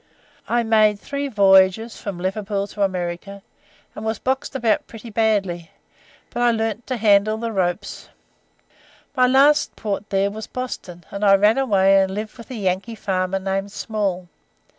I made three voyages from Liverpool to America, and was boxed about pretty badly, but I learned to handle the ropes. My last port there was Boston, and I ran away and lived with a Yankee farmer named Small.